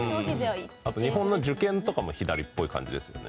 日本の受験とかも左っぽい感じですよね。